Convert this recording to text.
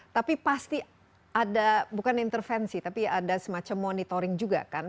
tapi pasti ada bukan intervensi tapi ada semacam monitoring juga kan